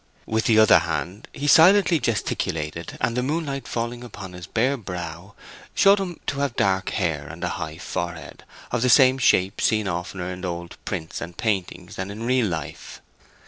With the other hand he silently gesticulated and the moonlight falling upon his bare brow showed him to have dark hair and a high forehead of the shape seen oftener in old prints and paintings than in real life.